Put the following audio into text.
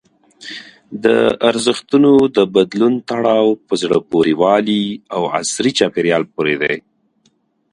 د ارزښتونو د بدلون تړاو په زړه پورې والي او عصري چاپېریال پورې دی.